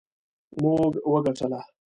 موږ وګټله